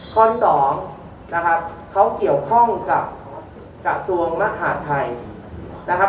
ข้อสองนะครับเขาเกี่ยวข้องกับกระทรวงมหาดไทยนะครับ